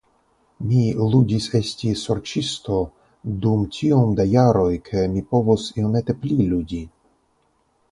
Mi ludis esti Sorĉisto dum tiom da jaroj ke mi povos iomete pli ludi.